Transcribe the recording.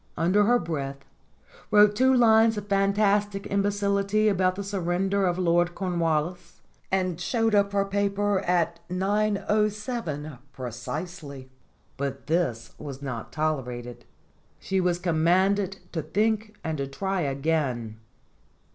under her breath, wrote two lines of fantastic imbecility about the surrender of Lord Cornwallis, and showed up her paper at 9.7 precisely. But this was not tolerated. She was commanded to think and to try again.